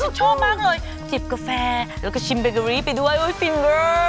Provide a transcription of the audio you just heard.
ใช่ฉันชอบมากเลยจิบกาแฟและก็ชิมแบกกะลีไปด้วยโอ๊ยฟิลเวอร์